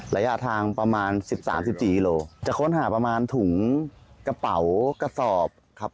ระยะทางประมาณ๑๓๑๔กิโลจะค้นหาประมาณถุงกระเป๋ากระสอบครับ